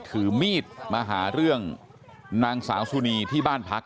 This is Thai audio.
ถือมีดมาหาเรื่องนางสาวสุนีที่บ้านพัก